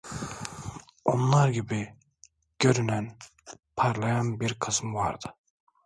Onlar gibi, görünen, parlayan bir kısmı vardı.